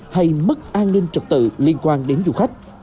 hay mất an ninh trật tự liên quan đến du khách